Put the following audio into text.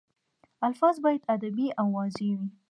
الفاظ باید ادبي او واضح وي.